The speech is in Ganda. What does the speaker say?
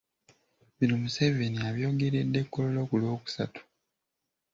Bino Museveni abyogeredde Kololo ku Lwokusatu.